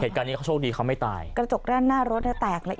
เหตุการณ์นี้เขาโชคดีเขาไม่ตายกระจกด้านหน้ารถเนี่ยแตกเลย